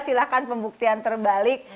silahkan pembuktian terbalik